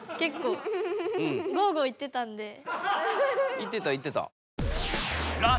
いってたいってた。